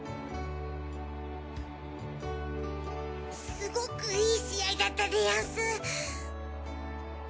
すごくいい試合だったでヤンス。